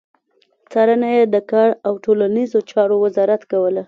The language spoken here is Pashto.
څارنه يې د کار او ټولنيزو چارو وزارت کوله.